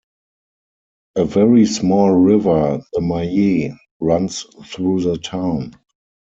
A very small river, the Maye, runs through the town.